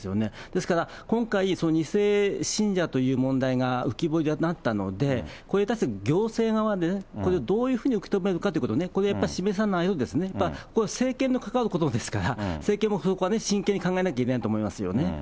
ですから、今回、２世信者という問題が浮き彫りになったので、これに対して行政側で、これをどういうふうに受け止めるかということを、これやっぱり示さないと、やっぱり政権の関わることですから、政権もそこは真剣に考えなきゃいけないと思いますよね。